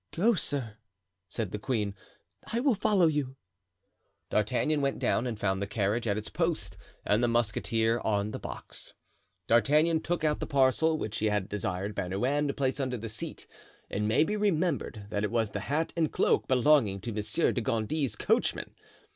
"Go, sir," said the queen; "I will follow you." D'Artagnan went down and found the carriage at its post and the musketeer on the box. D'Artagnan took out the parcel which he had desired Bernouin to place under the seat. It may be remembered that it was the hat and cloak belonging to Monsieur de Gondy's coachman.